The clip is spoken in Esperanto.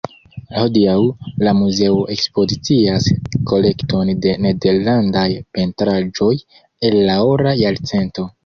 Hodiaŭ, la muzeo ekspozicias kolekton de nederlandaj pentraĵoj el la Ora Jarcento.